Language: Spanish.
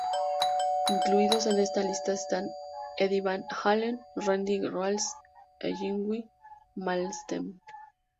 Incluidos en esta lista están Eddie Van Halen, Randy Rhoads e Yngwie Malmsteen.